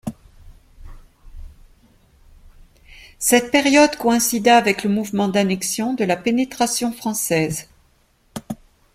Cette période coïncida avec le mouvement d'annexion de la pénétration française.